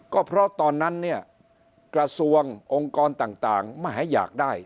ก็เพราะตอนนั้นเนี่ยกระทรวงองค์กรต่างไม่ให้อยากได้